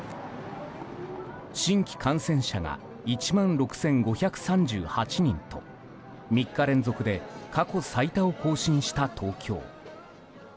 新規感染者が１万６５３８人と３日連続で過去最多を更新した東京。